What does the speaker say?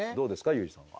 ユージさんは。